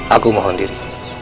aku mohon diri